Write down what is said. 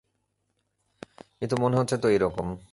কিন্তু মনে হচ্ছে তো এই রকম।